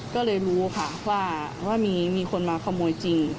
ก็เลยรู้ค่ะว่ามีคนมาขโมยจริง